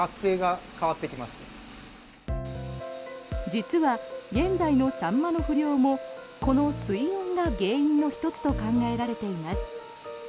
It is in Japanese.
実は、現在のサンマの不漁もこの水温が原因の１つと考えられています。